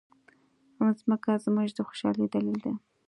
مځکه زموږ د خوشالۍ دلیل ده.